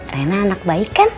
reina anak baik kan